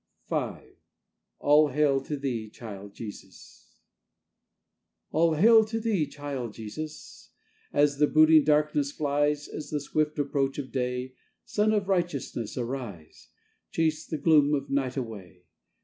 V. ALL HAIL TO THEE, CHILD JESUSAll hail to Thee, child Jesus! As the brooding darkness fliesAt the swift approach of day, Sun of righteousness, arise, Chase the gloom of night away.